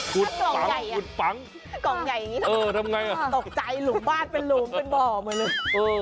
กล่องใหญ่อ่ะตกใจหลุมบ้านเป็นหลุมเป็นบ่อมาเลย